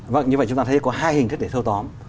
vâng như vậy chúng ta thấy có hai hình thức để thâu tóm